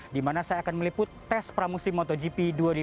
di mana saya akan meliput tes pramusim motogp dua ribu dua puluh